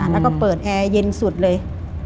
แล้วก็เปิดแอร์เย็นสุดเลย